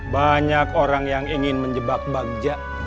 banyak orang yang ingin menjebak bagja